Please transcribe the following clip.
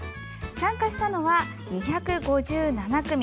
参加したのは２５７組。